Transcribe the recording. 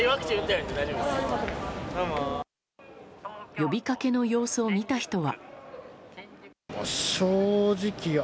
呼びかけの様子を見た人は。